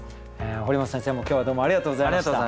堀本先生も今日はどうもありがとうございました。